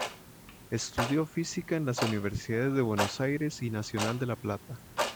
Estudió física en las Universidades de Buenos Aires y Nacional de La Plata.